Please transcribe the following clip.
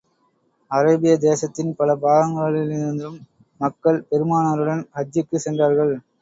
Arabia தேசத்தின் பல பாகங்களிலிருந்தும், மக்கள் பெருமானாருடன் ஹஜ்ஜுக்காகச் சென்றார்கள்.